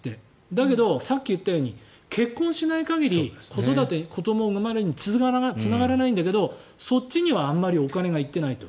だけど、さっき言ったように結婚しない限り子どもが生まれるのに続かないんだけどそっちのはあまりお金が行っていないと。